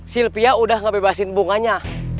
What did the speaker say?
sylvia udah ngebebasin bunganya